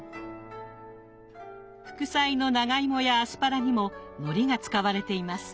副菜の長芋やアスパラにものりが使われています。